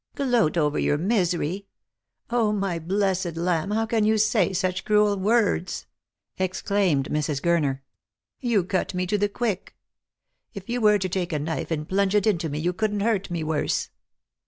" Gloat over your misery ! my blessed lamb, how can you say such cruel words P " exclaimed Mrs. Gurner. " You cut me to the quick. If you were to take a knife and plunge it into me, you couldn't hurt me worse.